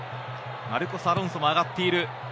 マルコス・アロンソも上がっている。